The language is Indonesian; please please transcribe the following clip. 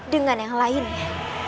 dengan yang lainnya